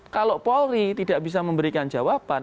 kalau polri tidak bisa memberikan jawaban